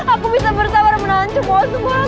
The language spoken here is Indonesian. aku bisa bersabar menahan semua semua orang